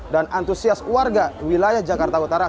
dan antusias warga wilayah jakarta utara